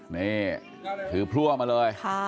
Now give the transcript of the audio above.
นี่ถือพร่วงมาเลยค่ะ